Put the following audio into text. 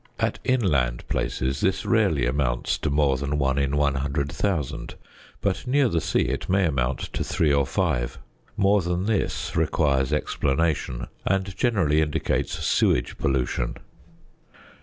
At inland places this rarely amounts to more than 1 in 100,000; but near the sea it may amount to 3 or 5. More than this requires explanation, and generally indicates sewage pollution.